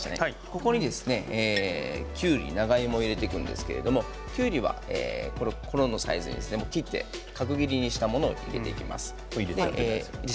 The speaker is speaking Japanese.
ここに、きゅうり、長芋を入れていくんですけれどもきゅうりは角切りにしたものを入れていきます。